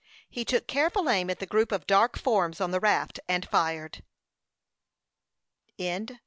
He took careful aim at the group of dark forms on the raft, and fired.